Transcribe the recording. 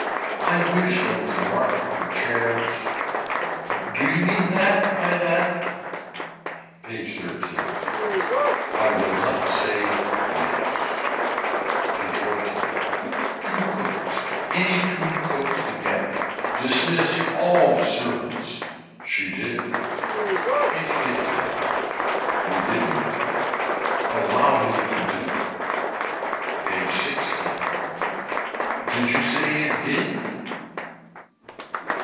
I wish there was a market for chairs. Do you mean that by that. PAGE XIII. I will not say yes. PAGE XIV. Two cooks. Any two cooks together. Dismiss all the servants. She did. PAGE XV. We didn't. Allow me to differ. PAGE XVI. Did you say it did.